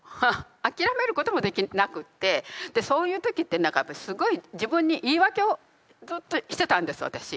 諦めることもできなくってそういう時って何かやっぱりすごい自分に言い訳をずっとしてたんです私。